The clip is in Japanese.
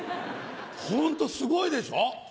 ホントすごいでしょう？